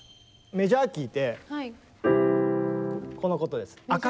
メジャー・キーってこのことです。